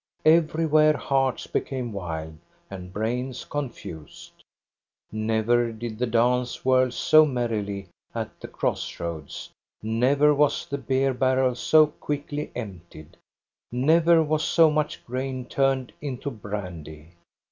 Everywhere hearts became wild, and brains confused. Never did the dance whirl so merrily at the cross roads; never was the beer barrel so quickly emptied ; never was so much grain turned into brandy.